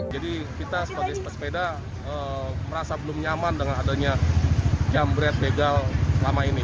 jadi kita sebagai pesepeda merasa belum nyaman dengan adanya jambret begal lama ini